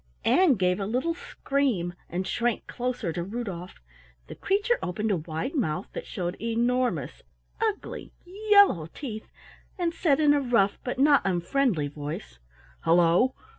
Ann gave a little scream and shrank closer to Rudolf. The creature opened a wide mouth that showed enormous, ugly, yellow teeth, and said in a rough but not unfriendly voice: "Hullo!